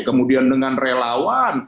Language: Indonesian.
kemudian dengan relawan